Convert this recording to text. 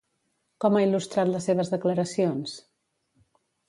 Com ha il·lustrat les seves declaracions?